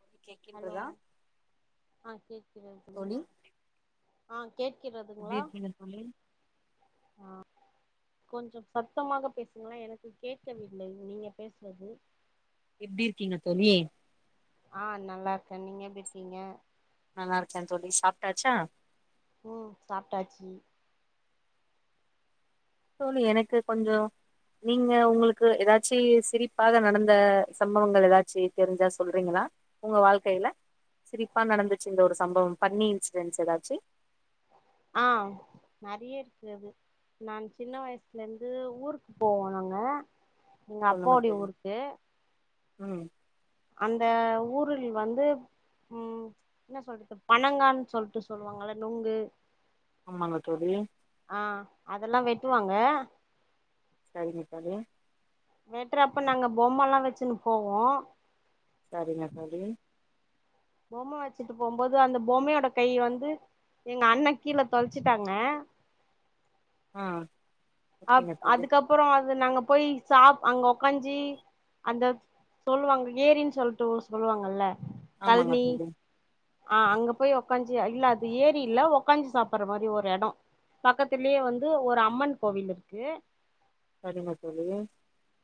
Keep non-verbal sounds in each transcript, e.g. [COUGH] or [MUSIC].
தோழி ஹலோ கேக்கின்றதா ஆ கேக்குதுங்க தோழி ஆ எப்டி கேட்குறதுங்களா இருக்கீங்க [INAUDIBLE] கொஞ்சம் சத்தமாக பேசுங்களே எனக்கு கேட்கவில்லை நீங்க பேசுறது எப்டி இருக்கீங்க தோழி ஆ நல்லா இருக்கே நீங்க எப்டி இருக்கீங்க நல்லா இருக்கே தோழி சாப்ட்டாச்சா ம் சாப்ட்டாச்சு தோழி எனக்கு கொஞ்சோ நீங்க உங்களுக்கு ஏதாச்சு சிரிப்பாக நடந்த சம்பவங்கள் ஏதாச்சு தெரிஞ்சா சொல்றீங்களா உங்க வாழ்க்கையில சிரிப்பா நடந்துச்சு இந்த ஒரு சம்பவம் ஃபன்னி இன்சிடென்ஸ் ஏதாச்சு ஆ நெறைய இருக்குது அது நான் சின்ன வயசுல இருந்து ஊருக்கு போவோ நாங்க எங்க சொல்லுங்க அப்பாவுடைய தோழி ஊருக்கு ம் அந்த ஊரில் வந்து ம் என்ன சொல்றது பனங்கான்னு சொல்லிட்டு சொல்லுவாங்கல்ல நுங்கு ஆமாங்க தோழி ஆ அதெல்லா வெட்டுவாங்க செரி மக்களே வெட்டுறப்ப நாங்க பொம்ம எல்லா வச்சுன்னு போவோ சரிங்க தோழி பொம்ம வச்சுட்டு போகும்போது அந்த பொம்மயோட கை வந்து எங்க அண்ண கீழ தொலச்சிட்டாங்க ஆ அப் ஓகேங்க தோழி அதுக்கப்பறோ அது நாங்க போய் சாப் அங்க உக்காஞ்சி அந்த சொல்லுவாங்க ஏரின்னு சொல்லிட்டு சொல்லுவாங்கல்ல ஆமாங்க கல்னி தோழி ஆஹ் அங்க போய் உக்காஞ்சி இல்ல அது ஏறி இல்ல உக்காஞ்சி சாப்புடுற மாதிரி ஒரு இட பக்கத்திலயே வந்து ஒரு அம்மன் கோவில் இருக்கு சரிங்க தோழி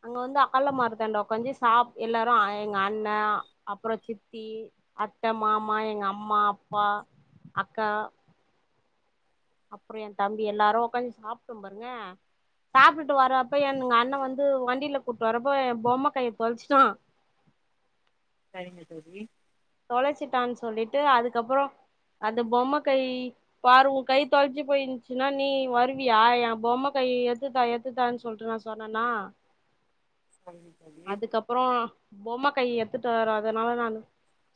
அங்க வந்து ஆல மரத்தாண்ட உக்காந்து சா எல்லாரு எங்க அண்ண அப்பற சித்தி அத்த மாமா எங்க அம்மா அப்பா அக்கா அப்பற எய தம்பி எல்லாரு உட்காந்து சாப்ட்ட பாருங்க சாப்ட்டு வர்ப்ப என்ங்க அண்ண வந்து வண்டியில கூட்டிட்டு வரப்போ எய பொம்ம கையை தொலைச்சட்டா சரிங்க தோழி தொலைச்சிட்டான்னு சொல்லிட்டு அதுக்கப்பற அந்த பொம்ம கை பாரு உ கை தொலைச்சி போயிருச்சுன்னா நீ வருவியா எய பொம்ம கை எத்துதா எத்துதான்னு சொல்டு நா சொன்னண்ணா சரிங்க தோழி அதுக்கப்ற பொம்ம கை எடுத்துட்டு வராதனால நான்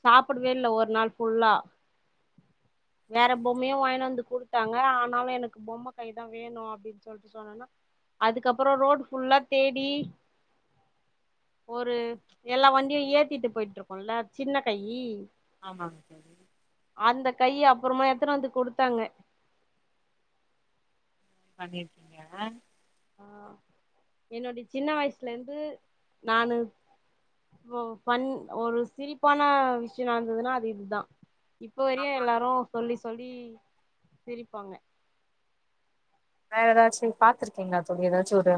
சாப்டவே இல்ல ஒரு நாள் ஃபுல்லா வேற சரிங்க தோழி பொம்மையும் வாங்கிட்டு வந்து குடுத்தாங்க ஆனாலு எனக்கு பொம்ம கை தா வேணும் அப்டின்னு சொல்லிட்டு சொன்னா அதுக்கப்பற ரோடு் ஃபுல்லா தேடி ஒரு எல்லா வண்டியு ஏத்திட்டு போயிட்டு இருக்கும்ல சின்ன கை ஆமாங்க தோழி அந்த கைய அப்பறமா எடுத்துன்னு வந்து கொடுத்தாங்க பண்ணிருக்கீங்க ஆஹ் என்னுோடய சின்ன வயசுல இருந்து நானு இப்ப பண் ஒரு சிரிப்பான விஷய நடந்ததுன்னா அது இதுதா இப்போ வரையு எல்லாரு சொல்லி சொல்லி சிரிப்பாங்க வேற ஏதாச்சும் பாத்துருக்கீங்களா தோழி ஏதாச்சும் ஒரு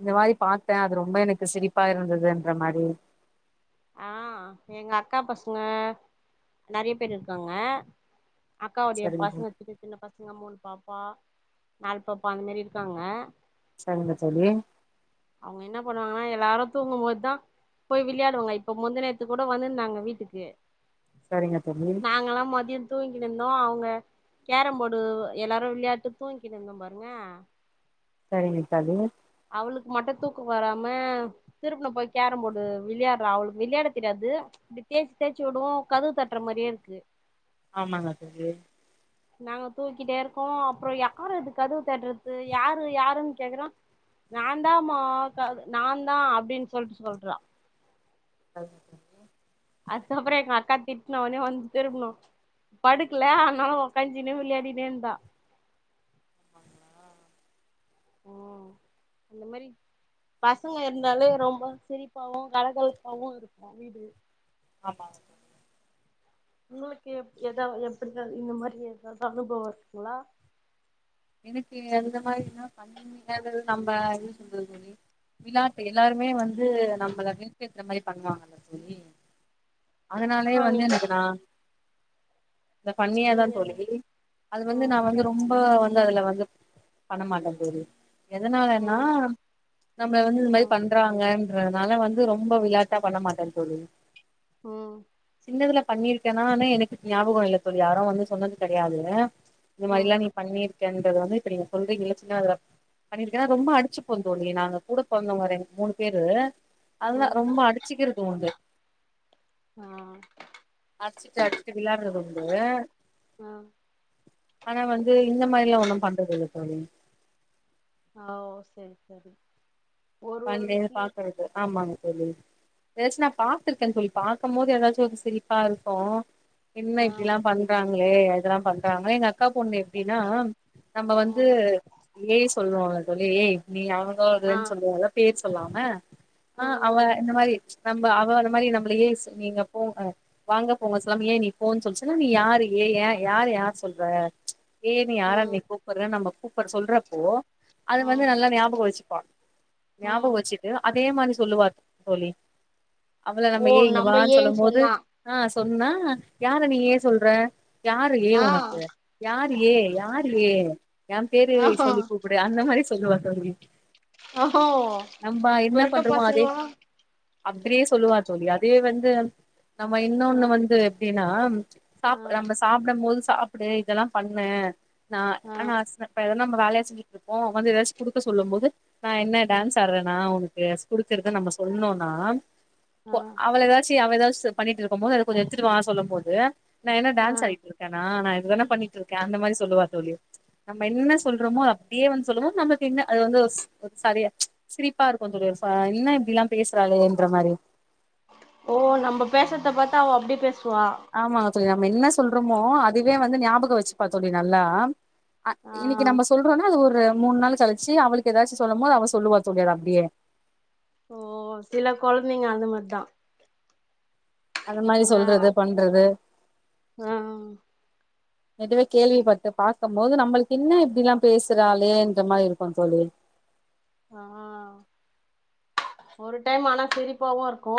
இந்த மாதிரி பார்த்த அது ரொம்ப எனக்கு சிரிப்பா இருந்ததுன்ற மாதிரி ஆஹ் எங்க அக்கா பசங்க நெறைய பேர் இருக்காங்க அக்காவுடைய சரிங்க பசங்க சின்ன சின்ன பசங்க மூணு பாப்பா நாலு பாப்பா அந்த மாதிரி இருக்காங்க செரிங்க தோழி அவங்க என்ன பண்ணுவாங்கன்னா எல்லாரு தூங்கும் போதுதா போய் விளையாடுவாங்க இப்ப முந்த நேத்துக்கு கூட வந்திருந்தாங்க வீட்டுக்கு சரிங்க தோழி நாங்கல்லா மதிய தூங்கின்னிந்தோ அவங்க கேரம் போர்டு எல்லாரும் விளையாட்டு தூங்கின்னிந்தோ பாருங்க சரிங்க தோழி அவளுக்கு மட்டு தூக்க வராம திருப்பன போய் கேரம் போர்டு விளையாடுறா அவளுக்கு விளையாட தெரியாது இப்டி தே்சி தே்ச்சு விடும்வவும் கதுவு தட்டுற மாதிரியே இருக்கு ஆமாங்க தோழி நாங்க தூக்கிட்டே இருக்கோ அப்பற யாரு அது கதவு தட்டுறது யாரு யாருன்னு கேக்குறோ நா தாமா நா தா அப்டின்னு சொல்லிட்டு சொல்றா அதுக்கப்பற எங்க அக்கா திட்னோனே வந்து திரும்பணும் படுக்கல அதனால உடக்கஞ்சினே விளையாடினே இருந்தா ம் அந்த மாதிரி பசங்க இருந்தாலே ரொம்ப சிரிப்பாவும் கலகலப்பாவவும் இருக்கும் வீடு ஆமாங் உங்களுக்கு எப் ஏதாவது எப்டி இந்த மாதிரி ஏதாவது அனுபவ இருக்குங்களா எனக்கு அந்த மாரினா [UNINTELLIGIBLE] நம்ம என்ன சொல்றது தோழி விளாட்டு எல்லாருமே வந்து நம்மள வில்தேத்துற மாரி பண்ணுவாங்கல்ல தோழி அதனாலே ஆஹா வந்து நீங்க எனக்கு நா இத பண்ணியாதா நீங்க தோழி அது வந்து ம் நா வந்து ரொம்ப வந் வந்து அதுல வந்து பண்ணமாட்ட தோழி எதனாலன்னா ம் நம்மள வந்து இது மாரி பண் ம் பண்றாங்கன்றதுனால வந்து ரொம்ப விளாட்டா பண்ணமாட்ட தோழி ம் சின்னதுல பண்ணிருக்கேனான்னு எனக்கு ஞாபகம் இல்ல தோழி யாரு வந்து சொன்னது கெடையாது இந்த ம் மாரில்லா நீ பண்ணிருக்கேன்றத வந்து இப்ப நீங்க சொல்றீங்கங்களா சின்னாதுல பண்ணியிருக்கேனா ரொம்ப அடிச்சு பொந்தோழி நாங்க கூட பொறந்தவங்க ரெண் மூணு பேரு அத ம் ரொம்ப அடிச்சுக்கிறது உண்டு ஆ அடிச்சிட்டு அடிச்சிட்டு விளையாடுறது உண்டு ஆ ஆனா வந்து இந்த மாரிலா ஒன்னு பண்றதில்ல தோழி ஓ சேரி சேரி பண்றேல பாக்குறது ஆமாங்க தோழி ஏதாச்சு நா பாத்திருக்கே தோழி பாக்கும் போது ஏதாச்சு ஒரு சிரிப்பா இருக்கு என்ன ஆ இப்டில்லா பண்றாங்ளே இதெல்லா பண் றாங்க எங்க அக்கா பொண்ணு எப்டின்னா நம்ம வந்து ம் ஏ சொல்லோம்ல தோழி ஏய் நீ ஆ அவங்ககோதுன்னு சொல்லுவோல பேர் சொல்லாம ஆ அவ ம் இந்த மாரி நம்ம அவ அந்த மாரி நம்மள ஏய் ஸ் நீங்க போ வாங்க போங்க சொல்லாம ஏ நீ போன்னு சொல்லிச்சுன்னா நீ யாரு ஏ ஏ யாரு யார சொல்ற ஏய் ம் யார நீ ம் கூப்ற நம்ம கூப்ற சொல்றப்போ அது ம் வந்து நல்லா ஞாபகம் வச்சுப்ப ம் ஞாபகம் வச்சுட்டு அதே மாரி சொல்லுவா தோழி அவள ஓ நம்ம ஏய் இங்க வான்னு ஏன்னு சொல்லம் போது சொன்னா ஆ சொன்னா யார நீ ஏ சொல்ற யாரு ஏ ஆ உனக்கு யார் ஏ யார் ஏ எ பேரு ஆஹா சொல்லி கூப் டு அந்த மாரி சொல்லுவா தோழி ஓ ஹோ நம்ப என்ன பண்றமோ அதே அப்டியே சொல்லுவா தோழி அதே வந்து நம்ம ஆ இன்னொன்னு வந்து எப்டின்னா ஆ சாப் நம்ம சாப்டம் போது சாப்டு இதெல்லா பண்ணு நா ஆ ஆனா அச இப்ப எதனா நம்ப வேலையா செஞ்சுட்டு இருப்போ வந்து ஏதாச்சு குடுக்க சொல்லும் போது நா என்ன டான்ஸ் ஆடுறனா உனக்கு குடுக்குறது நம்ம சொன்னோனா ஆ இப் அவள வேல ச்சு அவ எதாவது செ பண்ணிட்டுருக்கும் போது அத கொஞ்சோ எடுத்துட்டு வா சொல்லும் போது நா என்ன ஆ டான்ஸ் ஆ ஆடிட்டுருக்கேனா நா இதனா பண்ணிட்டுருக்கே அந்த மாரி சொல்லுவா தோழி நம்ம என்ன சொல்றோமோ அப்டியே வந்து சொல்லுவு நம்மளுக்கு என்ன அது வந்து ஸ் சரியா சிரிப்பா இருக்கு தோழி ஒருநிம்ஷோ என்ன இப்டில்லா பேசுறாலே என்ற மாரி ஓ நம்ம பேசுறத பாத்தா அவ அப்டி பேசுவா ஆமாங்க தோழி நம்ம என்ன சொல்றோமோ அதுவே வந்து ஞாபக வச்சுப்பா தோழி நல்லா ஆ இன்னைக்கி நம்ம சொல்றோனா அது ஒரு மூணு நாள் கழிச்சு அவளுக்கு ஏதாச்சு சொல்லும் போது அவ சொல்லுவா தோழி அத அப்டியே ஓ சில கொழந்தைங்க அந்த மாரிதா அந்த மாதிரி இங்க சொல்றது பண்றது ஆ நட்டுவே கேள்விப்பட்டு பாக்கபோது நம்மளுக்கு என்ன இப்டியெல்லா பேசுறாளே என்ற மாரி இருக்கும் தோழி ஆ ஒரு டைம் ஆனா சிரிப்பாவு இருக்கு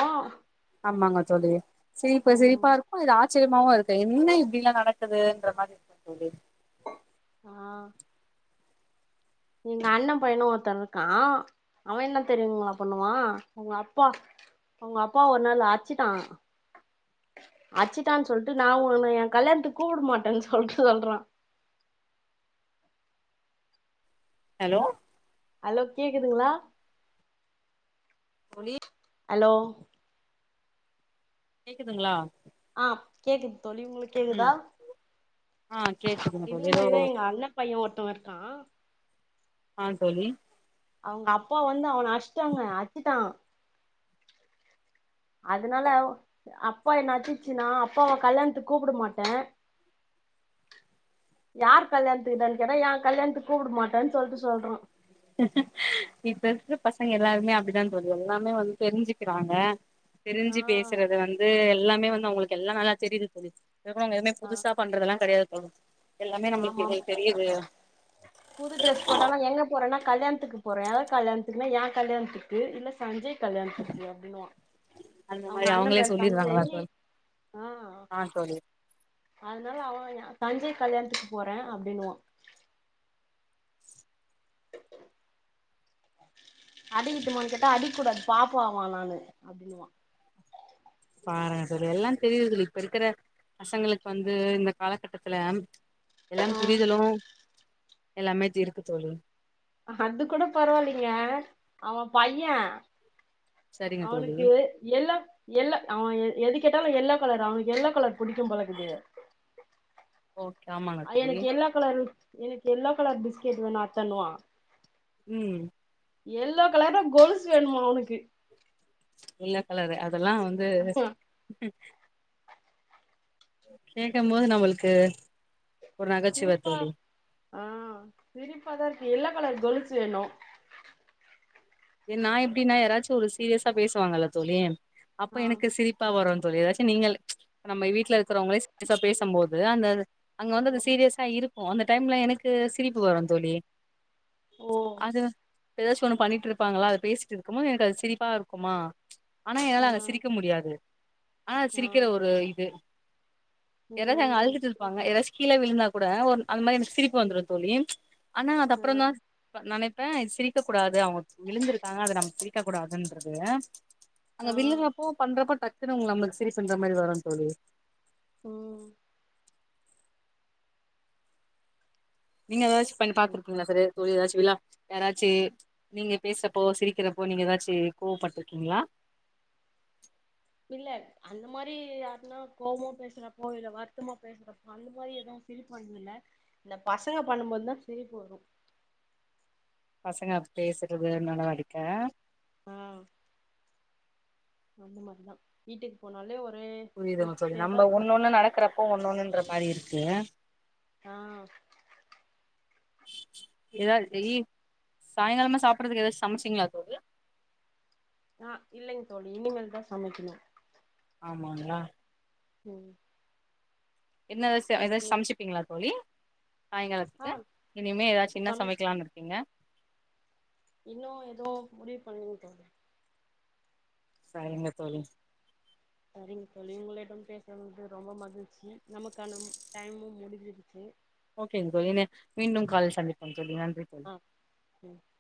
ஆமாங்க தோழி சிரிப்பு சிரிப்பா ம் இரு க்கு இது ஆச்சரியமாவவும் இருக்கு என்ன இப்டியெல்லா நடக்குதுன்ற மாதிரி இருக்கும் தோழி ஆ எங்க அண்ணன் பையன ஒருத்தன் இருக்கா அவன் என்ன தெரியுங்களா பண்ணுவா அவங்க அப்பா அவங்க அப்பா ஒரு நாள் அடுச்சிட்டா அச்சுட்டான்னு சொல்ட்டு நா உன்ன என் கல்யாணத்துக்கு கூப்பிட மாட்டேன்னு சொல்லிட்டு சொல்றான் ஹலோ ஹலோ கேக்குதுங்களா புலி ஹலோ கேக்குதுங்களா ஆ கேக்குது தோழி உங்களுக்கு கேக்குதா ம் ஆ கேக்குதுங்க இதி தோழி ஏதோ மாதிரிதா எங்க அண்ணா பையன் ஒருத்தவ இருக்கான் ஆ தோழி அவங்க அப்பா வந்து அவன அச்சிட்டாங்க அச்சுட்டான் அதனால அப்பா என்ன அச்சிச்சுன்னா அப்பாவ கல்யாணத்து கூப்பிட மாட்டேன் யார் கல்யாணத்துக்குடானு கேட்டா ஏன் கல்யாணத்து கூப்பிட மாட்டேன்னு சொல்லிட்டு சொல்றான் இப்ப இருக்குற பசங்க எல்லாருமே அப்டித்தா தோழி எல்லாமே வந்து தெரிஞ்சிகிறாங்க ஆ தெரிஞ்சு பேசுறது வந்து எல்லாமே வந்து அவங்களுக்கு எல்லா நல்லா தெரியுது தோழி இருக்குறவங்க எதுவுமே ஆ புதுசா பண்றதுயெல்லா கிடையாது தோழி எல்லாமே நம்மளுக்கு இதுல ஆமாமா தெரியுது புது ட்ரெஸ் போட்டாலு எங்க போறேனா கல்யாணத்துக்கு போறன் யார் கல்யாணத்துக்குன்னா ஏ கல்யாணத்துக்கு இல்ல சஞ்சய் கல்யாணத்துக்கு அப்டினுவா அந்த அவங்க மாரி அண்ணன் அவங்களே பேர் சொல்லிடுறாங்களா சஞ்சய் தோழி ஆ ஆ தோழி அதனால அவன் சஞ்சய் கல்யாணத்துக்கு போறேன் அப்டின்னுவா அடிக்கட்டுமானு கேட்டா அடிக்க கூடாது பாப்பாவா நானு அப்டின்னுவா பாருங்க தோழி எல்லா தெரியுது தோழி இப்ப இருக்கிற பசங்களுக்கு வந்து இந்த காலகட்டத்துல ம்ச் எல்லாம் ஆ புரிதலும் எல்லாமே இருக்கு தோழி அது கூட பரவாயில்லைங்க அவன் பையன் சரிங்க தோழி அவனுக்கு எல்லோ எல்லோ அவன் எ எது கேட்டாலும் எல்லோ கலர் அவனுக்கு எல்லோ கலர் பிடிக்கும் போல இக்குது ஓகே ஆமாங்க தோழி எனக்கு எல்லோ கலரு எனக்கு எல்லோ கலர் பிஸ்கெட் வேணு அத்தண்ணுவா ம் எல்லோ கலர் ல கோலுஸ் வேணுமா அவனுக்கு எல்லோ கலரு அதெல்லா வந்து கேட்க போது நம்மளுக்கு ஒரு நகைச்சுவை சிரிப்பா தோழி ஆ சிரிப்பாதான் இருக்கு எல்லோ கலர் கொலுசு வேணும் ஏ நா எப்டின்னா யாராச்சும் ஒரு சீரியஸா பேசுவாங்கல்ல தோழி அப்ப ஆ எனக்கு சிரி ப்பா வரும்ன்னு தோழி ஏதாச்சும் நீங்க ம்ச் நம்ம வீட்டுல இருக்கிறவங்கள சீரியஸா பேசும்போது அந்த அங்க வந்து அது சீரியஸா இருக்கு அந்த டைம்ல எனக்கு சிரிப்பு வரும் தோழி ஓ அது ஏதாச்சு ஒண்ணு பண்ணிட்டு இருப்பாங்களா அது பேசிட் இருக்குனு எனக்கு அது சிரிப்பா இருக்குமா ஆனா ஆ என்னால அங்க சிரிக்க முடியாது ஆனா ஆ சிரிக்கிற ஒரு இது யாராவது அங்க ம் அழுதுட் இருப்பாங்க ஏதாச்சு கீழ விழுந்தா கூட ஒ அந்த மாரி எனக்கு சிரிப்பு வந்துரு தோழி ஆனா அது ஆ அப்பற தா நெனைப்பே இது சிரிக்க கூடாது அவுங்கு விழுந்திருக்காங்க அது நம்ம சிரிக்க கூடாதுன்றது அங்க ஆ விழுற ப்போ பண்றப்பா டக்குனுு நம்ளுக்கு சிரிப்புண்ற மாரி வரு தோழி ம் நீங்க ஏதாச்சு பண்ணி சரி, பாத்துருப்பீங்களா சரி. தோழி [UNINTELLIGIBLE] யாராச்சி நீங்க பேசறப்போ சிரிக்கிறப்போ நீங்க ஏதாச்சி கோவப்பட்ருக்கீங்ளா இல்ல அந்த மாரி யாருன்னா கோவமா பேசுறப்போ இல்ல வருத்தமா பேசுறப்போ இந்த பசங்க பண்ணும்போது தா சிரிப்பு வரு பசங்க பேசுறது நால அடிக்கே ஆ அந்த மாரிதா வீட்டுக் போனாலே ஒரு புரியுதுங் தோழி நம்ம ஒன்னுண்ணு நடக்கறப்போ ஒன்னொண்ணுன்ற மாரி இருக்கு ஆ [UNINTELLIGIBLE] சாயங்காலமா சாப்பிறதுக்கு ஏதாச்சு சமைச்சிங்களா தோழி ஆ இல்லைங் தோழி இனிமேல்தா சமைக்கணு ஆமாங்ளா ம் [UNINTELLIGIBLE] ஏதாவது சட்னி சமைச்சிப்பீங்களா தோழி ஆ சாயங்காளத்துக்கு இனிமே ஏதாச்சின்ன சம சமைக்கலான் இருக்கேங்க இன்னு எதோ முடிவு பண்ணலீங் தோழி சரிங்க தோழி சரிங் தோழி இவங்களே பண்ணி பேசுறது வந்து ரொம்ப மகிழ்ச்சி நமக்கான டைமும் முடிஞ்சிருச்சு ஓகேங்க ஏ மீண்டும் காலைல சந்திப்போங் தோழி நன்றி தோழி [INAUDIBLE]